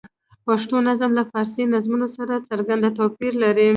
پښتو نظم له فارسي نظمونو سره څرګند توپیر لري.